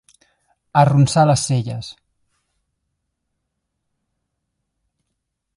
Arronsar les celles.